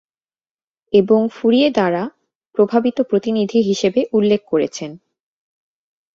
এবং ফুরিয়ে দ্বারা প্রভাবিত প্রতিনিধি হিসেবে উল্লেখ করেছেন।